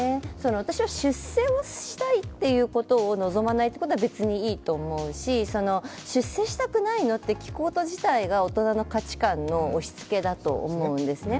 私は出世をしたいということを望まないということは、別にいいと思うし、出世したくないのと聞くこと自体が大人の価値観の押しつけだと思うんですね。